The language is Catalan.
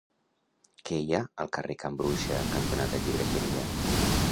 Què hi ha al carrer Can Bruixa cantonada Llibreteria?